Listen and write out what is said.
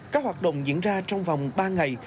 các hoạt động diễn ra trong vòng ba ngày